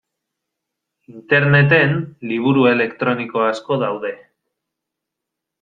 Interneten liburu elektroniko asko daude.